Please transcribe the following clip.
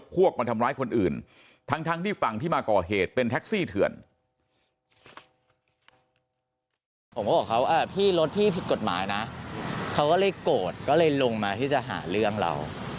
เขาบอกเขาพี่รถพี่ผิดกฎหมายนะเขาก็เลยโกรธก็เลยลงมาที่จะหาเรื่องเรา